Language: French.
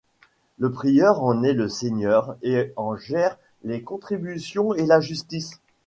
Le prieur en est le seigneur et en gère les contributions et la justice.